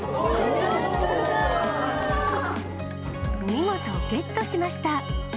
見事ゲットしました。